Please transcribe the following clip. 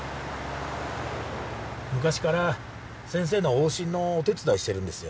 昔から先生の往診のお手伝いしてるんですよ。